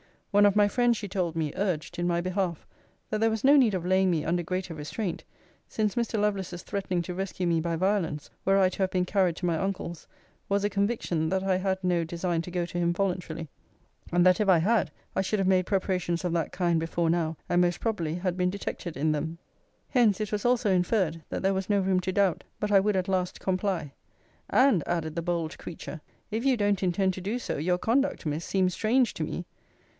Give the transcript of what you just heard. One of my friends, she told me, urged in my behalf, That there was no need of laying me under greater restraint, since Mr. Lovelace's threatening to rescue me by violence, were I to have been carried to my uncle's, was a conviction that I had no design to go to him voluntarily; and that if I had, I should have made preparations of that kind before now; and, most probably, had been detected in them. Hence, it was also inferred, that there was no room to doubt, but I would at last comply. And, added the bold creature, if you don't intend to do so, your conduct, Miss, seems strange to me.